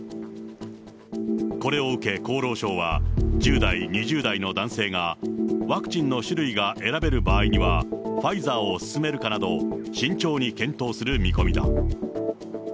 これを受け、厚労省は１０代、２０代の男性がワクチンの種類が選べる場合には、ファイザーを薦めるかなど、慎重に検討する見込みだ。